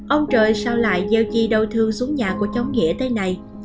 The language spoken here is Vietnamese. ông trời sao lại gieo chi đau thương xuống nhà của cháu nghĩa thế này